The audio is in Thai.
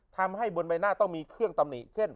ทำให้บนใบหน้าต้องมีเครื่องตำหนิเช่น